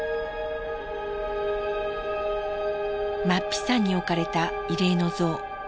マッピ山に置かれた慰霊の像。